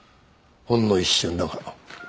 ほんの一瞬だが。